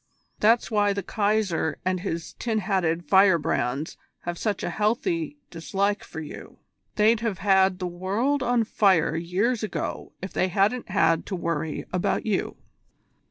That's why the Kaiser and his tin hatted firebrands have such a healthy dislike for you. They'd have had the world on fire years ago if they hadn't had to worry about you."